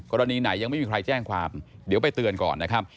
กรณีไหนยังไม่มีใครแจ้งความเดี๋ยวไปเตือนก่อนนะครับ